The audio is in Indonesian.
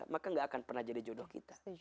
maka gak akan pernah jadi jodoh kita